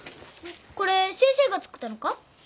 これ先生が作ったのか？